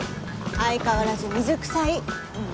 相変わらず水くさい。